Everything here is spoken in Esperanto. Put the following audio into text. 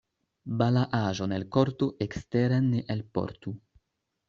Balaaĵon el korto eksteren ne elportu.